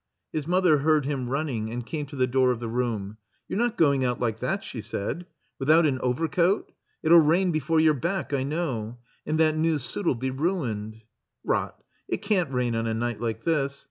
His mother heard him running and came to the door of the room. ''You're not going out like that," she said, "without an overcoat? It '11 rain before you're back, I know, and that new suit '11 be ruined." ''Rot! It can't rain on a night like this.